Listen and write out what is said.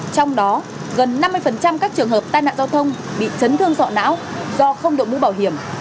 trong đó gần năm mươi các trường hợp tai nạn giao thông bị chấn thương sọ não do không đội mũ bảo hiểm